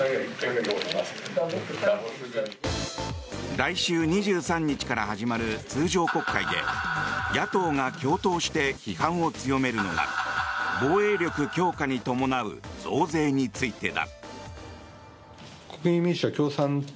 来週２３日から始まる通常国会で野党が共闘して批判を強めるのが防衛力強化に伴う増税についてだ。